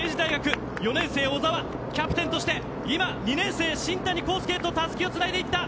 ４年生の小澤、キャプテンとして２年生、新谷紘ノ介へとたすきをつないでいった。